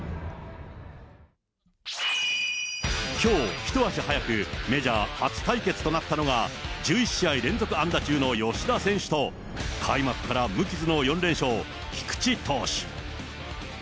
きょう、一足早くメジャー初対決となったのが、１１試合連続安打中の吉田選手と、開幕から無傷の４連勝、菊池投手。